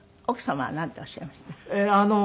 奥様はなんとおっしゃいました？